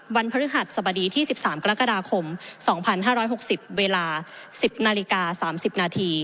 พฤหัสสบดีที่๑๓กรกฎาคม๒๕๖๐เวลา๑๐นาฬิกา๓๐นาที